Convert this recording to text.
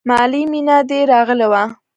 مالې مينه دې راغلې وه.